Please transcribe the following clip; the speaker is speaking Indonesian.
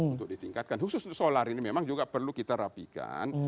untuk ditingkatkan khusus untuk solar ini memang juga perlu kita rapikan